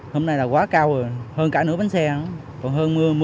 hôm nay là quá cao rồi hơn cả nửa bán xe còn hơn mưa